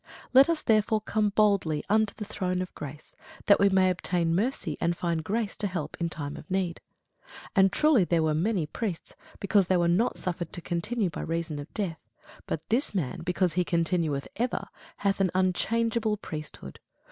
Let us therefore come boldly unto the throne of grace, that we may obtain mercy, and find grace to help in time of need. And truly there were many priests, because they were not suffered to continue by reason of death: but this man, because he continueth ever, hath an unchangeable priesthood.